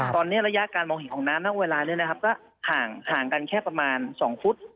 ตอนนี้ระยะการมองเห็นของน้ำนับเวลาห่างกันแค่ประมาณ๒ฟุต